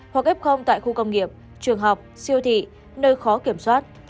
hoặc ép không tại khu công nghiệp trường học siêu thị nơi khó kiểm soát